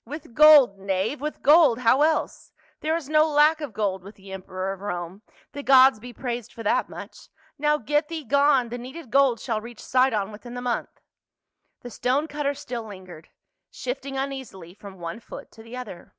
" With gold, knave, with gold, how el.se ? There is no lack of gold with the emperor of Rome — the gods be praised for that much. Now get thee gone ; the needed gold shall reach Sidon within the month." The stone cutter still lingered, shifting uneasily from one foot to the other.